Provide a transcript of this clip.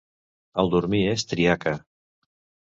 El dormir és triaca.